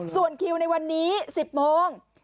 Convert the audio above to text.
ส่วนคิวในวันนี้๑๐โมง